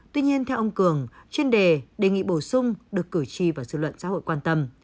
tuy nhiên theo ông cường chuyên đề đề nghị bổ sung được cử tri và dư luận xã hội quan tâm